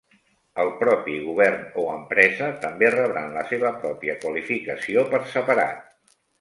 El propi govern o empresa també rebran la seva pròpia qualificació per separat.